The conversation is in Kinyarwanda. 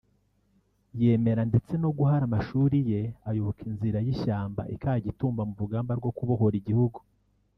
yemera ndetse no guhara amashuri ye ayoboka inzira y’ishyamba i Kagitumba mu rugamba rwo kubohora igihugu